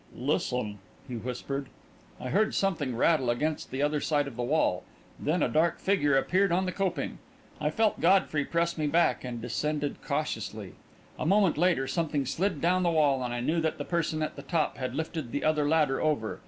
"Listen!" he whispered. I heard something rattle against the other side of the wall; then a dark figure appeared on the coping. I felt Godfrey press me back, and descended cautiously. A moment later, something slid down the wall, and I knew that the person at the top had lifted the other ladder over.